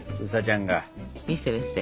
見せて見せて。